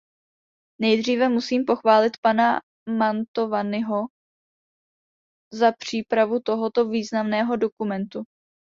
Nejdříve musím pochválit pana Mantovaniho za přípravu tohoto významného dokumentu.